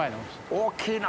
大きいな。